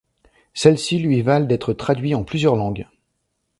Celles-ci lui valent d'être traduit en plusieurs langues.